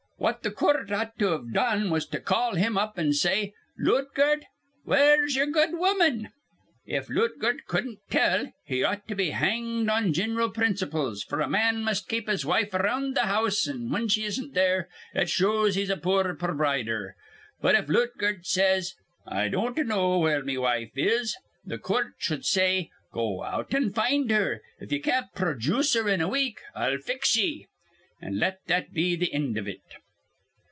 What th' coort ought to've done was to call him up, an' say: 'Lootgert, where's ye'er good woman?' If Lootgert cudden't tell, he ought to be hanged on gin'ral principles; f'r a man must keep his wife around th' house, an' whin she isn't there, it shows he's a poor provider. But, if Lootgert says, 'I don't know where me wife is,' the coort shud say: 'Go out, an' find her. If ye can't projooce her in a week, I'll fix ye.' An' let that be th' end iv it.